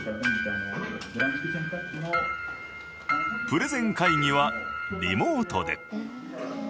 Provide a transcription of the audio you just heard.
プレゼン会議はリモートで。